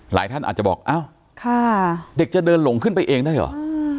ท่านอาจจะบอกอ้าวเด็กจะเดินหลงขึ้นไปเองได้เหรอ